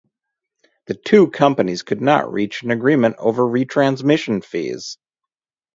The two companies could not reach an agreement over retransmission fees.